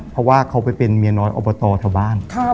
เพราะว่าเขาไปเป็นเมียน้อยอบตแถวบ้าน